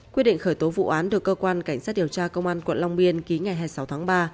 quyết định khởi tố vụ án được cơ quan cảnh sát điều tra công an quận long biên ký ngày hai mươi sáu tháng ba